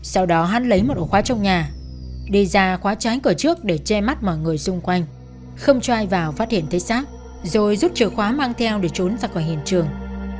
sau đó hắn lấy một ổ khóa trong nhà đi ra khóa trái cửa trước để che mắt mọi người xung quanh không cho ai vào phát hiện thấy xác rồi rút chìa khóa mang theo để trốn ra khỏi hiện trường